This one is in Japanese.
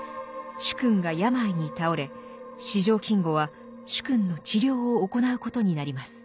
主君が病に倒れ四条金吾は主君の治療を行うことになります。